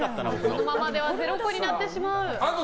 このままでは０個になってしまう。